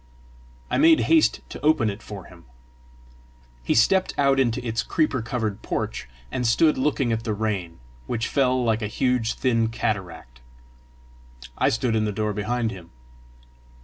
I made haste to open it for him. He stepped out into its creeper covered porch, and stood looking at the rain, which fell like a huge thin cataract; I stood in the door behind him.